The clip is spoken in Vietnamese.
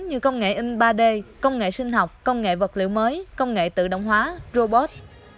như công nghệ in ba d công nghệ sinh học công nghệ vật liệu mới công nghệ tự động hóa robot